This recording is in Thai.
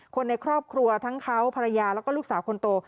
คนในครอบครัวทั้งเขาภรรยาแล้วก็ลูกสาวคนโต